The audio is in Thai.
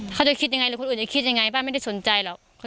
เขาจะคิดยังไงหรือคนอื่นจะคิดยังไงป้าไม่ได้สนใจหรอก